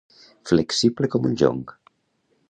Flexible com un jonc.